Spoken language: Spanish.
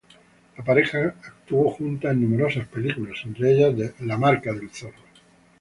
La pareja actuó junta en numerosas películas, entre ellas "The Mark of Zorro".